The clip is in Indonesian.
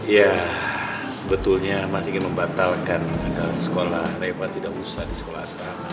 ya sebetulnya mas ingin membatalkan agar sekolah rema tidak usah di sekolah asrama